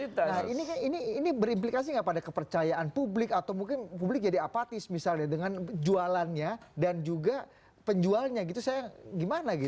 nah ini berimplikasi nggak pada kepercayaan publik atau mungkin publik jadi apatis misalnya dengan jualannya dan juga penjualnya gitu saya gimana gitu